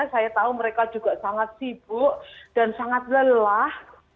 saya tahu mereka juga sangat sibuk dan sangat lelah